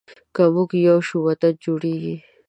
که مونږ یو شو، وطن جوړیږي.